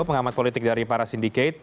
pengamat politik dari para sindikat